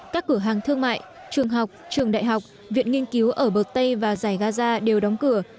các cửa hàng thương mại trường học trường đại học viện nghiên cứu ở bờ tây và giải gaza đều đóng cửa